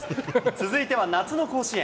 続いては夏の甲子園。